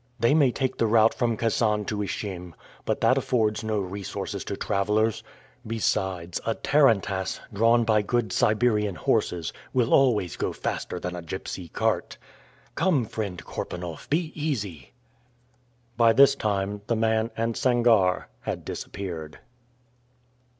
They may take the route from Kasan to Ishim, but that affords no resources to travelers. Besides a tarantass, drawn by good Siberian horses, will always go faster than a gypsy cart! Come, friend Korpanoff, be easy." By this time the man and Sangarre had disappeared.